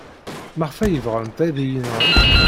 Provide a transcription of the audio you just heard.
Maɣef ay bɣant ad iyi-nɣent?